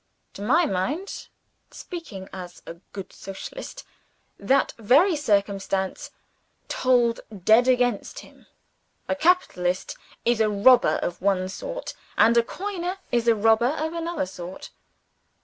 To my mind (speaking as a good Socialist), that very circumstance told dead against him. A capitalist is a robber of one sort, and a coiner is a robber of another sort.